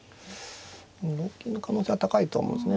うん同金の可能性は高いと思うんですね。